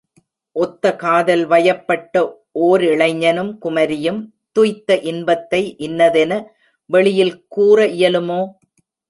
ஒத்த காதல் வயப்பட்ட ஓரிளைஞனும் குமரியும், துய்த்த இன்பத்தை இன்னதென வெளியில் கூற இயலுமோ?